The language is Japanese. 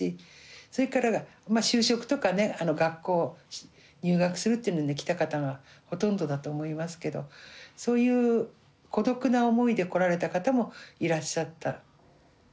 それから就職とかね学校入学するっていうので来た方がほとんどだと思いますけどそういう孤独な思いで来られた方もいらっしゃった。